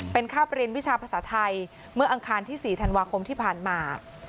เป็นคาบเรียนวิชาภาษาไทยเมื่ออังคารที่๔ธันวาคมที่ผ่านมา